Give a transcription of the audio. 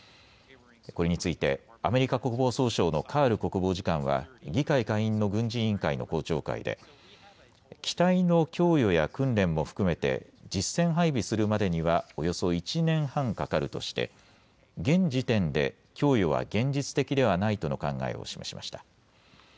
これについてアメリカ国防総省のカール国防次官は議会下院の軍事委員会の公聴会で機体の供与や訓練も含めて実戦配備するまでにはおよそ１年半かかるとして現時点で供与は現実的ではないとの考えを示しました。